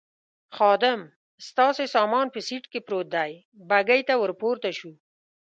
خادم: ستاسې سامان په سېټ کې پروت دی، بګۍ ته ور پورته شوو.